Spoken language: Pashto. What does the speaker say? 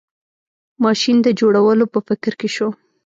ماشین د جوړولو په فکر کې شو.